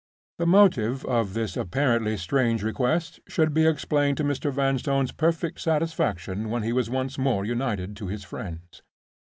The motive of this apparently strange request should be explained to Mr. Vanstone's perfect satisfaction when he was once more united to his friends.